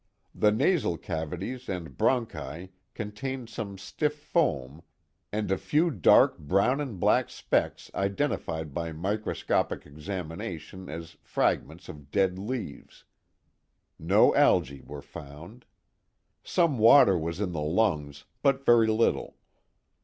The nasal cavities and bronchi contained some stiff foam and a few dark brown and black specks identified by microscopic examination as fragments of dead leaves. No algae were found. Some water was in the lungs, but very little.